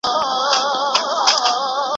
د ابا له کلي پورته سي دودونه